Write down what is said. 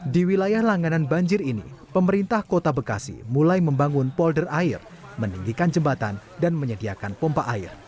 di wilayah langganan banjir ini pemerintah kota bekasi mulai membangun polder air meninggikan jembatan dan menyediakan pompa air